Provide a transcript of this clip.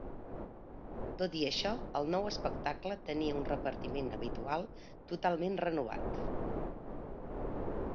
Tot i això, el nou espectacle tenia un repartiment habitual totalment renovat.